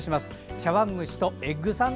茶わん蒸しとエッグサンド。